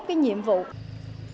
cái nhiệm vụ của trường trung học